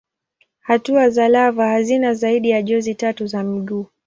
Hatua za lava hazina zaidi ya jozi tatu za miguu.